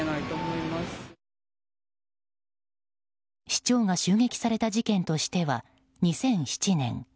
市長が襲撃された事件としては２００７年。